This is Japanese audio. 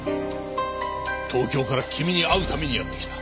東京から君に会うためにやって来た。